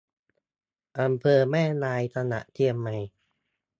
อำเภอแม่อาย จังหวัดเชียงใหม่